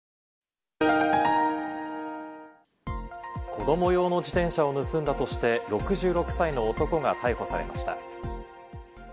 子ども用の自転車を盗んだとして６６歳の男が逮捕されました。